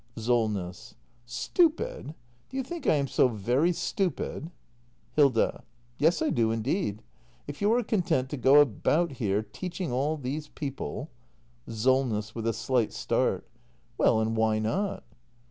SOLNESS. Stupid ? Do you think I am so very stupid ? Hilda. Yes, I do indeed. If you are content to go about here teaching all these people Solness. [With a slight start.] Well, and why not?